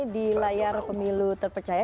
di layar pemilu terpercaya